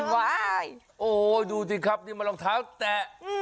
โอ้ดูสิครับนี่มันรองเท้าแตะ